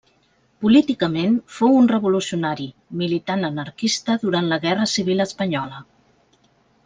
Políticament, fou un revolucionari, militant anarquista durant la Guerra Civil espanyola.